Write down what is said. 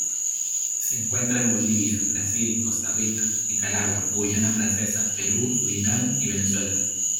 Se encuentra en Bolivia, Brasil, Costa Rica, Nicaragua, Guayana Francesa, Perú, Surinam y Venezuela.